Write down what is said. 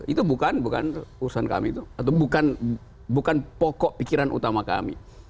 itu bukan bukan urusan kami itu atau bukan pokok pikiran utama kami